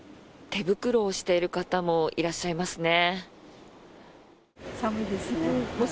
手袋をしている方もいらっしゃいますね。